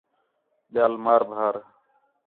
ٻِیال مار بھار